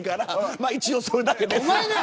まあ一応それだけですと。